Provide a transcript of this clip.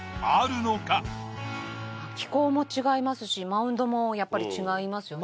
気候も違いますしマウンドもやっぱり違いますよね。